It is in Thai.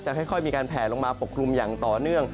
ค่อยมีการแผลลงมาปกคลุมอย่างต่อเนื่อง